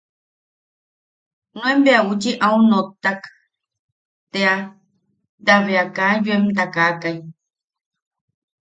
Nuen bea uchi au nottawak tea ta be kaa yoem takakai.